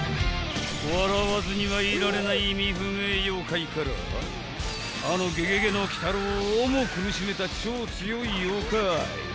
［笑わずにはいられない意味不明妖怪からあのゲゲゲの鬼太郎をも苦しめた超強い妖怪］